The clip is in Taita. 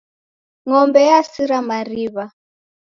Ng'ombe yasira mariw'a.